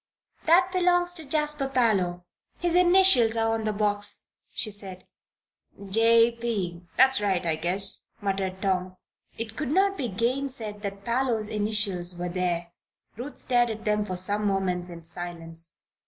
"That belongs to Jasper Parloe. His initials are on the box," she said. "'J. P.' that's right, I guess," muttered Tom. It could not be gainsaid that Parloe's initials were there. Ruth stared at them for some moments in silence.